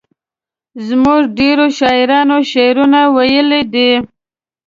زموږ ډیرو شاعرانو شعرونه ویلي دي.